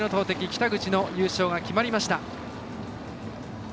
北口の優勝が決まりました。